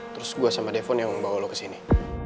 terus gue sama devon yang membawa lo kesini